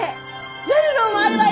メルローもあるわよ！